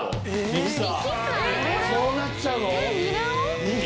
そうなっちゃうの？